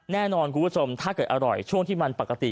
แน่นอนคุณผู้ชมถ้าเกิดอร่อยช่วงที่มันปกติ